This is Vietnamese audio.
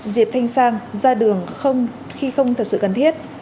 diệp thanh sang ra đường khi không thật sự cần thiết